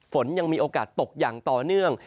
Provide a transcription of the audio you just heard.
ฝนยังมีโอกาสตกอย่างต่อเนื่อง